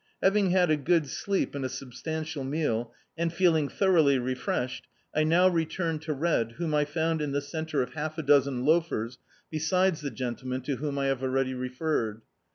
Having had a good sleep, and a substantial meal, and feeling thorou^ly refreshed, I now returned to Red, whom I found in the centre of half a dozen loafers, besides the gendcman to whom I have already referred.